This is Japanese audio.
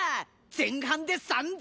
前半で３−０！